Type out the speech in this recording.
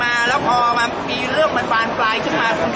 อาหรับเชี่ยวจามันไม่มีควรหยุด